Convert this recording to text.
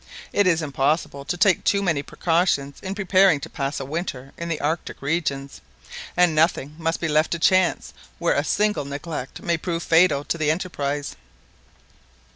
It is impossible to take too many precautions in preparing to pass a winter in the Arctic regions, and nothing must be left to chance where a single neglect may prove fatal to the enterprise."